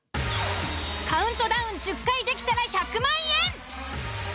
カウントダウン１０回できたら１００万円！